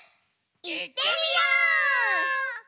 いってみよう！